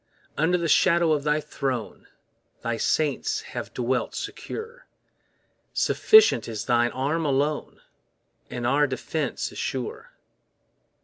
Under the shadow of thy throne, Thy saints have dwelt secure; Sufficient is thine arm alone, And our defence is sure.